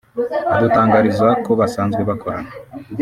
adutangariza ko basanzwe bakorana